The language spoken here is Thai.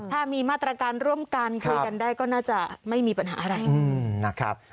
ถ้ามีมาตรการร่วมกันคุยกันได้ก็น่าจะไม่มีปัญหาอะไรนะครับ